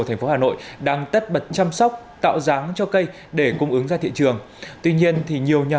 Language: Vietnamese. hà nội đang tất bật chăm sóc tạo dáng cho cây để cung ứng ra thị trường tuy nhiên thì nhiều nhà